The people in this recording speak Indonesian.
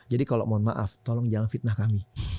jadi kalau mohon maaf tolong jangan fitnah kami